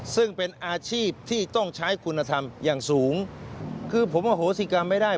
ซึ่งเป็นอาชีพที่ต้องใช้คุณธรรมอย่างสูงคือผมอโหสิกรรมไม่ได้